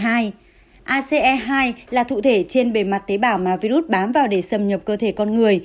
ace hai là cụ thể trên bề mặt tế bảo mà virus bám vào để xâm nhập cơ thể con người